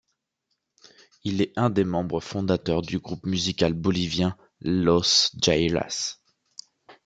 Il est un des membres fondateurs du groupe musical bolivien Los Jairas.